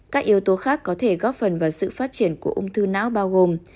các yếu tố khác có thể góp phần vào sự phát triển của ung thư não bao gồm